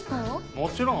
もちろん。